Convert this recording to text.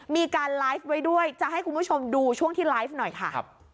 มีการไลฟ์ไว้ด้วยจะให้คุณผู้ชมดูช่วงที่ไลฟ์หน่อยค่ะ